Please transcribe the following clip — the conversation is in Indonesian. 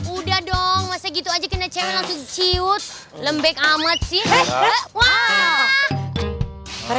udah dong masa gitu aja kena cewek langsung ciut lembek amat sih wah